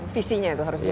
visinya itu harus jelas